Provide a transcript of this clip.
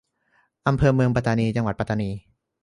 อำเภอเมืองปัตตานี จังหวัดปัตตานี